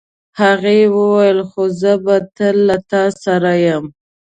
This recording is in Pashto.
هغې وویل خو زه به تل له تا سره یم.